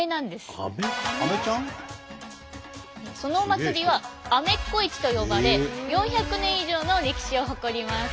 そのお祭りは「アメッコ市」と呼ばれ４００年以上の歴史を誇ります。